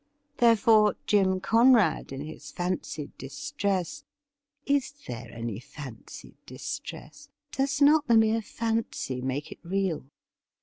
Therefore, Jim Conrad, in his fancied distress — is there any fancied distress ? does not the mere fancy make it real